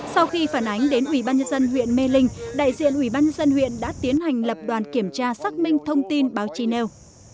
sau khi phản ánh đến ủy ban nhân dân huyện mê linh đại diện ủy ban dân huyện đã tiến hành lập đoàn kiểm tra xác minh thông tin báo chí nêu